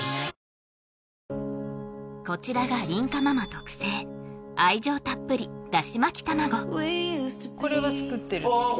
こちらが梨花ママ特製愛情たっぷりだし巻き卵これは作ってるああ